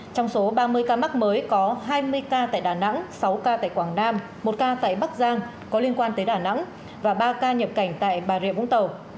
trong số ba mươi ca mắc mới có hai mươi ca tại đà nẵng sáu ca tại quảng nam một ca tại bắc giang có liên quan tới đà nẵng và ba ca nhập cảnh tại bà rịa vũng tàu